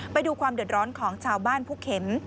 ไปดูความเดือดร้อนของชาวบ้านผู้เข็ม